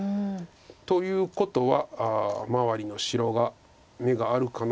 ということは周りの白が眼があるかな。